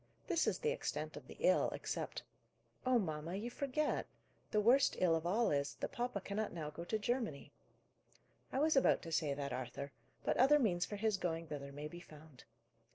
This is the extent of the ill, except " "Oh, mamma, you forget! The worst ill of all is, that papa cannot now go to Germany." "I was about to say that, Arthur. But other means for his going thither may be found.